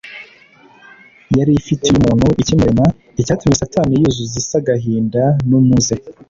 yarifitiyumuntu ikimurema Icyatumye Satani yuzuzisi agahinda numuze